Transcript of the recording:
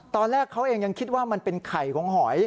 ตอนแรกเขาเองยังคิดว่ามันเป็นไข่ของหอย